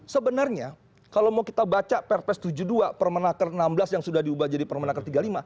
sebenarnya kalau mau kita baca perpres tujuh puluh dua permenaker enam belas yang sudah diubah jadi permenaker tiga puluh lima